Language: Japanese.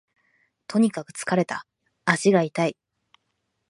とにかく疲れた、足が痛い